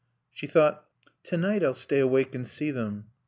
She thought: To night I'll stay awake and see them.